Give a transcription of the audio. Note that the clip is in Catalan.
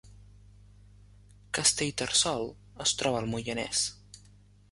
Castellterçol es troba al Moianès